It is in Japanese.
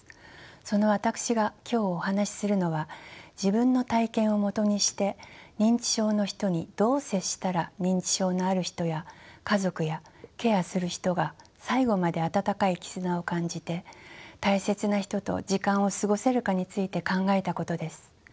その私が今日お話しするのは自分の体験をもとにして認知症の人にどう接したら認知症のある人や家族やケアする人が最後まで温かい絆を感じて大切な人と時間を過ごせるかについて考えたことです。